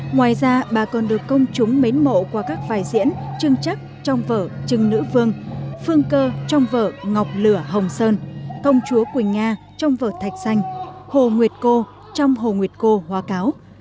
ngoài ra bà còn được công chúng mến mộ qua các vai diễn trưng chắc trong vở trừng nữ vương phương phương cơ trong vở ngọc lửa hồng sơn công chúa quỳnh nga trong vở thạch xanh hồ nguyệt cô trong hồ nguyệt cô hóa cáo